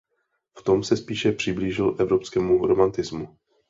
V tom se spíše přiblížil evropskému romantismu.